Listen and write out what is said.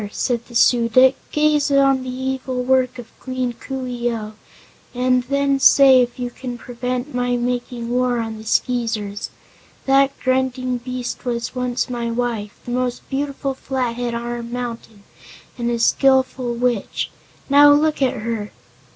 said the Su dic, "gaze on the evil work of Queen Coo ee oh, and then say if you can prevent my making war on the Skeezers. That grunting beast was once my wife the most beautiful Flathead on our mountain and a skillful witch. Now look at her!"